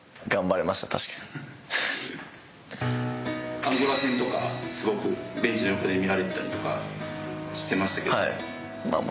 アンゴラ戦とかベンチ横で見られたりしてましたけども。